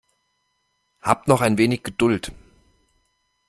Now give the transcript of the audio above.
Habt noch ein wenig Geduld.